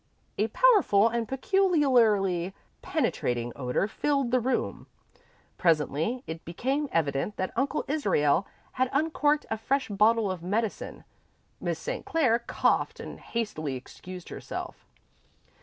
A powerful and peculiarly penetrating odour filled the room. Presently it became evident that Uncle Israel had uncorked a fresh bottle of medicine. Miss St. Clair coughed and hastily excused herself.